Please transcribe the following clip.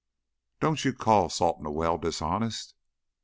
"Don't you call salting a well dishonest?"